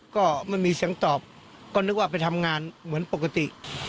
ก็ไม่มีเสียงตอบก็นึกว่าไปทำงานเหมือนปกติ